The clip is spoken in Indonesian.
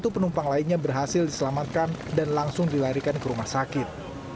satu penumpang lainnya berhasil diselamatkan dan langsung dilarikan ke rumah sakit